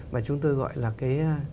mà chúng tôi gọi là cái